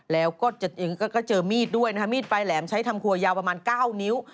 แล้วก็เจอมีดด้วยนะฮะมีดปลายแหลมใช้ทำครัวยาวประมาณ๙นิ้ว